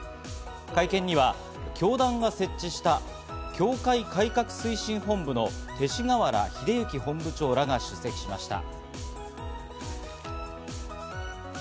会見には教団が設置した教会改革推進本部の勅使河原秀行本部長らが出席しました。